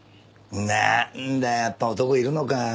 なんだやっぱ男いるのか。